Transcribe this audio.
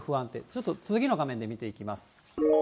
ちょっと次の画面で見ていきます。